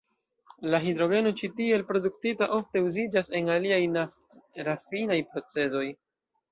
La hidrogeno ĉi tiel produktita ofte uziĝas en aliaj naft-rafinaj procezoj.